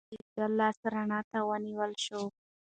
د ده لاس رڼا ته ونیول شو.